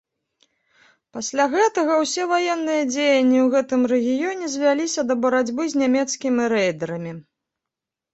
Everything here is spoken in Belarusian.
Пасля гэтага ўсе ваенныя дзеянні ў гэтым рэгіёне звяліся да барацьбы з нямецкімі рэйдэрамі.